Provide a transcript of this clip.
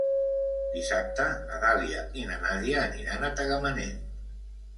Dissabte na Dàlia i na Nàdia aniran a Tagamanent.